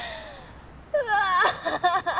うわ！